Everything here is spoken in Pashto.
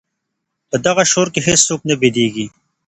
په دغه شور کي هیڅوک نه بېدېږي.